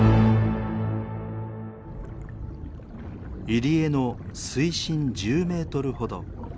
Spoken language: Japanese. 入り江の水深１０メートルほど。